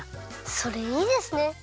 それいいですね！